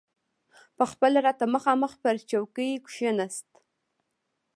پخپله راته مخامخ پر چوکۍ کښېناست.